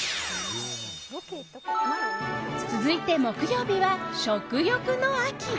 続いて、木曜日は食欲の秋。